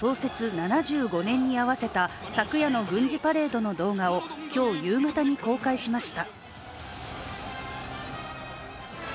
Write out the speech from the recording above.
７５年に合わせた昨夜の軍事パレードの動画を今日夕方に公開しました。